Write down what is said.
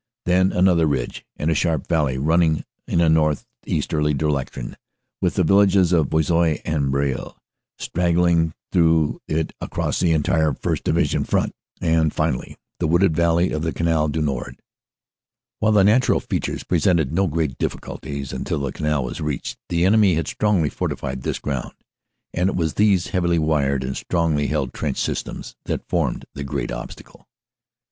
Then another ridge, and a sharp valley running in a north easterly direction, with the villages of Buissy and Baralle straggling through it across the entire 1st. Division front. And finally the wooded valley of the Canal du Nord. "While the natural features presented no great difficulties until the canal was reached the enemy had strongly forti fied this ground, and it was these heavily wired and strongly held trench systems that formed the great obstacle.